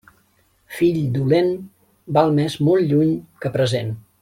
Fill dolent, val més molt lluny que present.